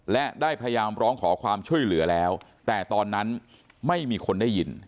และได้พยายามร้องขอความช่วยเหลือแล้วแต่ตอนนั้นไม่มีคนได้ยิน